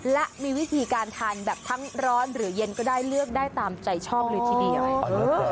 และมีวิธีการทานแบบทั้งร้อนหรือเย็นก็ได้เลือกได้ตามใจชอบเลยทีเดียว